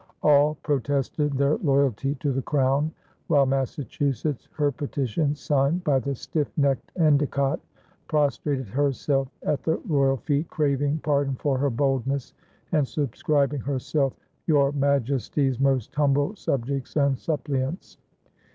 All protested their loyalty to the Crown, while Massachusetts, her petition signed by the stiff necked Endecott, prostrated herself at the royal feet, craving pardon for her boldness, and subscribing herself "Your Majesties most humble subjects and suppliants."